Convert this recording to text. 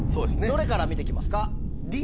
どれから見て行きますか？